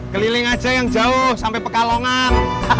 keliling aja yang jauh sampai pekalongan